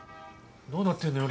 どうなってんのよ